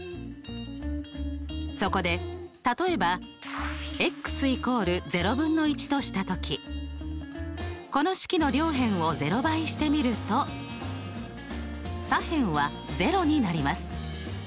そこで例えば＝とした時この式の両辺を０倍してみると左辺は０になります。